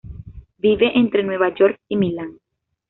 Vive entre Nueva York y Milán.